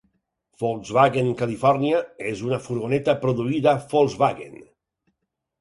Volkswagen Califòrnia és una furgoneta produïda Volkswagen.